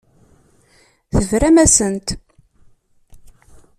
Tebram-asent.